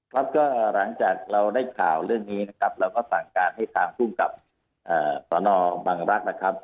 ครับก็หลังจากเราได้ข่าวเรื่องนี้นะครับเราก็สั่งการให้ทางภูมิกับสนบังรักษ์นะครับ